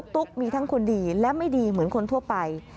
ตุ๊กมีทั้งคนดีและไม่ดีเหมือนคนทั่วไป